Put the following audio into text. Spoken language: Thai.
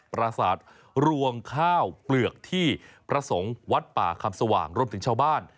ประสาทรวงข้าวเปลือกที่พระสงฆ์วัดป่าคำสว่างรวมถึงชาวบ้าน